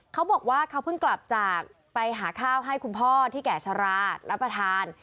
เขาบอกว่าเขาเพิ่งกลับจากไปหาข้าวให้คุณพ่อที่แก่ชะลารับประทาน